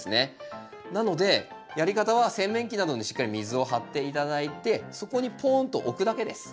なのでやり方は洗面器などにしっかり水を張って頂いてそこにポーンと置くだけです。